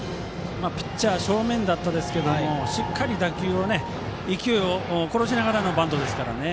ピッチャー正面だったんですがしっかりと打球の勢いを殺しながらのバントですからね。